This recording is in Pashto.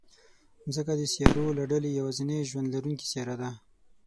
مځکه د سیارو له ډلې یوازینۍ ژوند لرونکې سیاره ده.